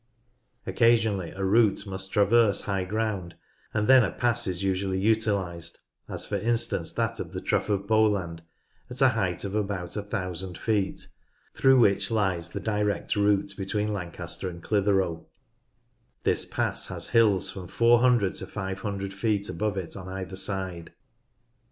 Occasionally, a route must traverse high ground, and then a pass is usually utilised, as for instance that of the Trough of Bowland at a height of about 1 000 feet, through which lies the direct route between Lancaster and Clitheroe : this pass has hills from 400 to 500 feet above it on either side.